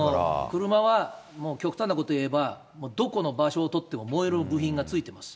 車はもう極端なことをいえば、どこの場所を取っても、燃える部品が付いています。